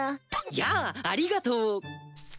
やあありがとう。